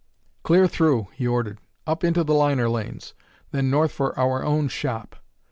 "Clear through," he ordered; "up into the liner lanes; then north for our own shop."